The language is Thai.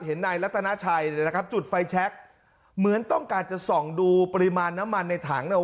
นายรัตนาชัยนะครับจุดไฟแชคเหมือนต้องการจะส่องดูปริมาณน้ำมันในถังเนี่ย